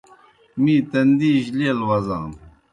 می تندی جیْ لیل وزانوْ۔